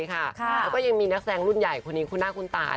แล้วก็ยังมีนักแสดงรุ่นใหญ่คนนี้คุณหน้าคุณตา